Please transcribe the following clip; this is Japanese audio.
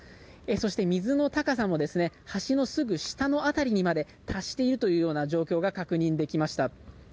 そして、水の高さも橋のすぐ下の辺りにまで達しているような状況が確認できました。